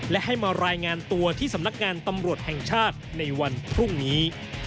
และให้มารายงานตัวที่สำนักงานตำรวจแห่งชาติในวันพรุ่งนี้